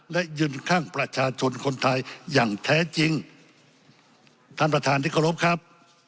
และยืนข้างประชาชนคนไทยอย่างแท้จริงท่านประธานที่เคารพครับ